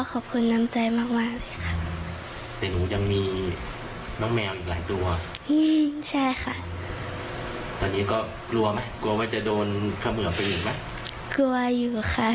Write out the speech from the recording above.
กลัวอยู่